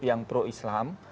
yang pro islam